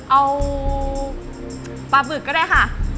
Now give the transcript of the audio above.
เอาปลาบึกก็ได้ค่ะ